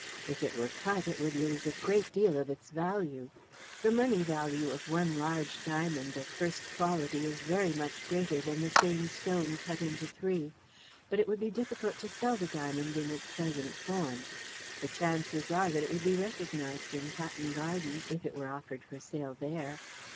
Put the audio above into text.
If it were cut it would lose a great deal of its value. The money value of one large diamond of first quality is very much greater than the same stone cut into three. But it would be difficult to sell the diamond in its present form. The chances are that it would be recognized in Hatton Garden if it were offered for sale there."